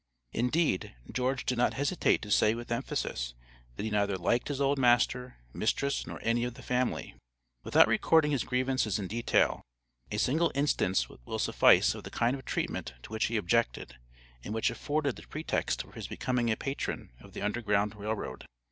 Indeed, George did not hesitate to say with emphasis, that he neither liked his old master, mistress, nor any of the family. Without recording his grievances in detail, a single instance will suffice of the kind of treatment to which he objected, and which afforded the pretext for his becoming a patron of the Underground Rail Road.